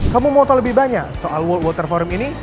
kamu mau tahu lebih banyak soal world water forum ini